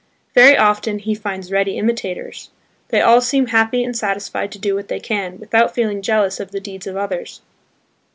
Very often he finds ready imitators. They all seem happy and satisfied to do what they can, without feeling jealous of the deeds of others.